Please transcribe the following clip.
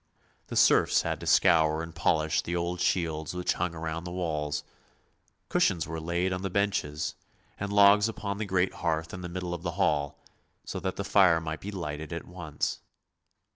The serfs had to scour and polish the old shields which hung round the walls; cushions were laid on the benches, and logs upon the great hearth in the middle of the hall, so that the fire might be lighted at once.